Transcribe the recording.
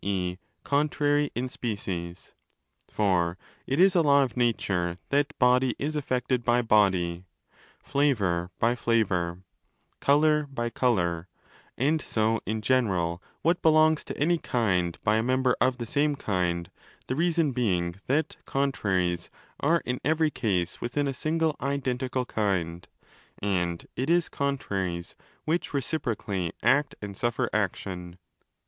e. contrary) in species. (For it is a law of nature that body is affected by body, flavour by flavour, colour by colour, and so in 324° general what belongs to any kind by a member of the same kind—the reason being that 'contraries' are in every case within a single identical kind, and it is 'contraries' which reciprocally act and suffer action.)